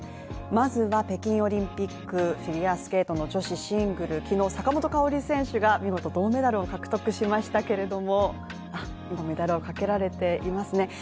まずは北京オリンピックフィギュアスケートの女子シングル、昨日、坂本花織選手が見事銅メダルを獲得しましたけども今、メダルをかけられていますね。